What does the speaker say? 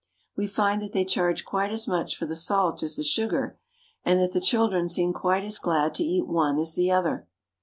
We find that they charge quite as much for the salt as the sugar, and that the children seem quite as glad to eat one as the other.